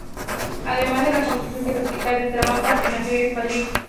Además de la construcción del Hospital del Tajo, en Aranjuez, Madrid.